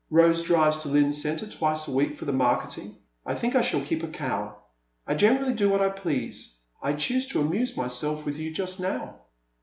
Rose drives to Lynne Centre twice a week for the mar keting. I think I shall keep a cow — I generally do what I please. I choose to amuse myself with you just now.